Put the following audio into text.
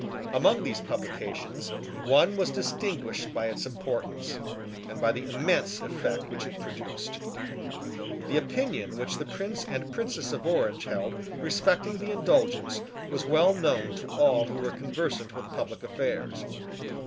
Among these publications, one was distinguished by its importance, and by the immense effect which it produced. The opinion which the Prince and Princess of Orange held respecting the Indulgence was well known to all who were conversant with public affairs.